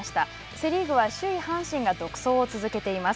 セ・リーグは首位阪神が独走を続けています。